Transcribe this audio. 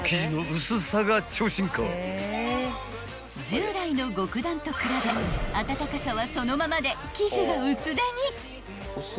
［従来の極暖と比べ暖かさはそのままで生地が薄手に］